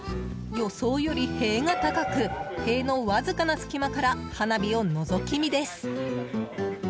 予想より塀が高く塀のわずかな隙間から花火をのぞき見です。